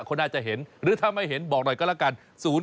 เขาน่าจะเห็นหรือถ้าไม่เห็นบอกหน่อยก็แล้วกัน